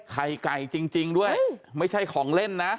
ไข่ไก่จริงด้วยไม่ใช่ของเล่นนะ